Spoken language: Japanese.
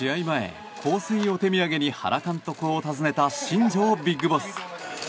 前、香水を手土産に原監督を訪ねた新庄ビッグボス。